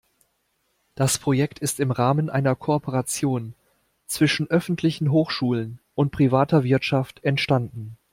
Das Projekt ist im Rahmen einer Kooperation zwischen öffentlichen Hochschulen und privater Wirtschaft entstanden.